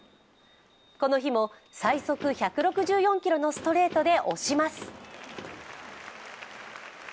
この日も催促１６４キロのストレートで押します。